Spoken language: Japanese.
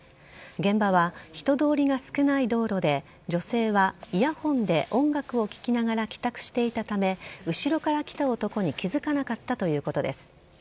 現場は人通りが少ない道路で女性はイヤホンで音楽を聴きながら帰宅していたため後ろから来た男に気づかなかったということです。